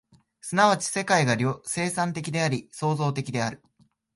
即ち世界が生産的であり、創造的である。